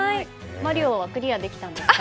「マリオ」はクリアできたんですか？